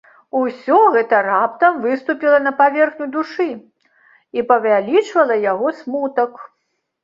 Усё гэта раптам выступіла на паверхню душы і павялічвала яго смутак.